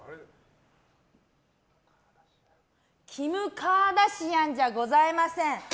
キム・カーダシアンじゃございません。